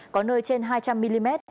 có nơi trên hai trăm linh mm